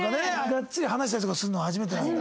がっつり話したりとかするのは初めてなんだ。